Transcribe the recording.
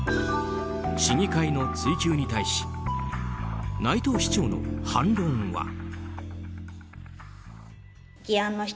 市議会の追及に対し内藤市長の反論は。